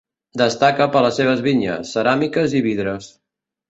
Destaca per les seves vinyes, ceràmiques i vidres.